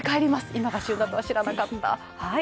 今が旬だとは知らなかった。